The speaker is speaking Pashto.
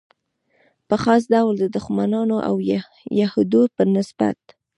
په خاص ډول د دښمنانو او یهودو په نسبت.